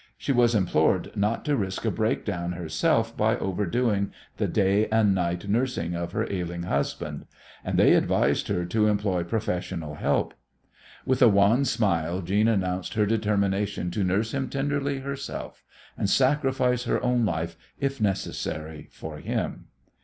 She was implored not to risk a breakdown herself by overdoing the day and night nursing of her ailing husband, and they advised her to employ professional help. With a wan smile Jeanne announced her determination to nurse him tenderly herself, and sacrifice her own life if necessary for him.